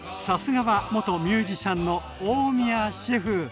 さすがは元ミュージシャンの大宮シェフ。